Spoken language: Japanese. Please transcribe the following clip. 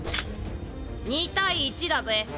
２対１だぜ。